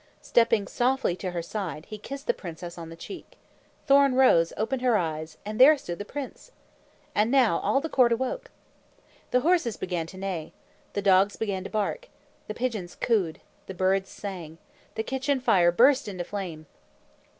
Stepping softly to her side, he kissed the princess on the cheek. Thorn Rose opened her eyes and there stood the prince! And now all the court awoke. The horses began to neigh. The dogs began to bark. The pigeons cooed. The birds sang. The kitchen fire burst into flame.